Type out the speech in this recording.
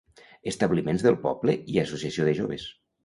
Establiments del poble i Associació de joves.